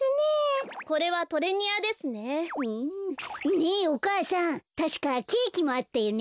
ねえお母さんたしかケーキもあったよね。